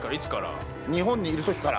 日本にいる時から。